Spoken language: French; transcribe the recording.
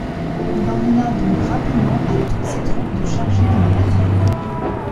Il ordonna donc rapidement à toutes ses troupes de charger dans la bataille.